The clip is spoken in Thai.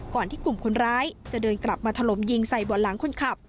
ก่อนที่กลุ่มคนร้ายจะเดินกลับมาถล่มยิงใส่บ่อนหลังคนขับ